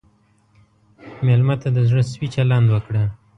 مېلمه ته د زړه سوي چلند وکړه.